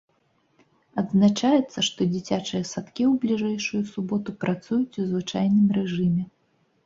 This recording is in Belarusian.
Адзначаецца, што дзіцячыя садкі ў бліжэйшую суботу працуюць у звычайным рэжыме.